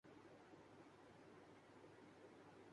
کل کے خیر خواہ بھی ناقدین میں تبدیل ہوتے جارہے ہیں۔